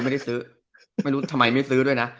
ไม่ได้ซื้อไม่รู้ทำไมไม่ซื้อด้วยนะ